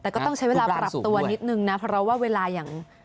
แต่ก็ต้องใช้เวลาปรับตัวนิดนึงนะเพราะว่าเวลาอย่าง